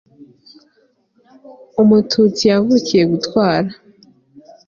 umututsi yavukiye gutwara